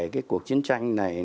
cái cuộc chiến tranh này